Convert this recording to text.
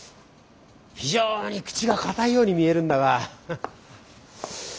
非常に口が堅いように見えるんだがどうかな。